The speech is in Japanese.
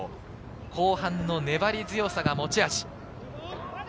後半の粘り強さが持ち味。